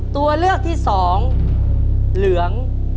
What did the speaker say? ตัวเลือกที่สองเหลือง